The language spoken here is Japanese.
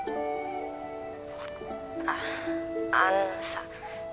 ☎あっあのさ